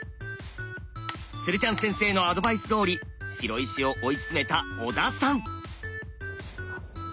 鶴ちゃん先生のアドバイスどおり白石を追い詰めた小田さん。